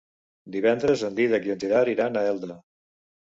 Divendres en Dídac i en Gerard iran a Elda.